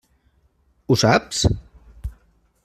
Ho saps?